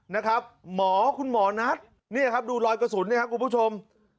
นะครับหมอคุณหมอนัทเนี่ยครับดูรอยกระสุนเนี่ยครับคุณผู้ชม